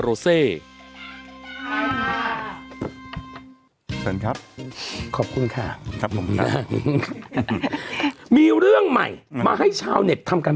สวัสดีครับขอบคุณค่ะครับผมนะฮะมีเรื่องใหม่มาให้ชาวเน็ตทำกัน